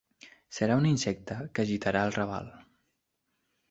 Serà un insecte que agitarà el raval.